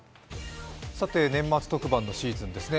年末特番のシーズンですね。